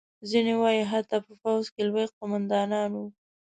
ځینې وایي حتی په پوځ کې لوی قوماندان وو.